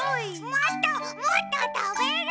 もっともっとたべる！